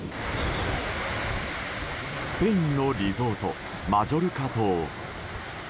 スペインのリゾートマジョルカ島。